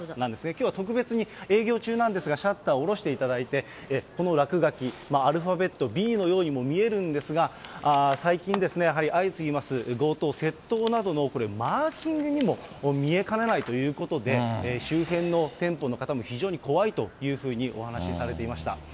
きょうは特別に営業中なんですが、シャッターを下ろしていただいて、この落書き、アルファベットＢのようにも見えるんですが、最近、やはり相次ぎます、強盗、窃盗などのマーキングにも見えかねないということで、周辺の店舗の方も非常に怖いというふうにお話されていました。